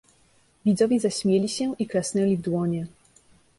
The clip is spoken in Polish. "Widzowie zaśmieli się i klasnęli w dłonie."